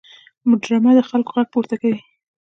ډرامه د خلکو غږ پورته کوي